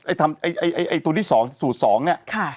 ไอ้ตัวที่สองสูตรสองนี่ครับ